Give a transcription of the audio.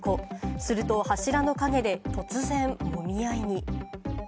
すると柱の陰で突然もみ合いに。